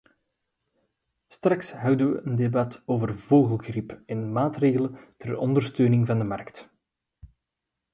Straks houden we een debat over vogelgriep en maatregelen ter ondersteuning van de markt.